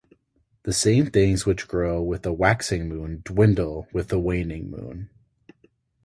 The same things which grow with the waxing moon dwindle with the waning moon.